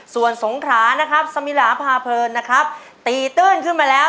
ส่วนสงขรานะครับสมิลาพาเพลินนะครับตีตื้นขึ้นมาแล้ว